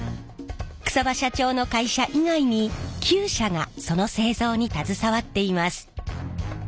草場社長の会社以外に９社がその製造に携わっています。